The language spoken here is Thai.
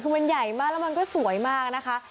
คือมันใหญ่มากแล้วมันก็สวยมากนะคะ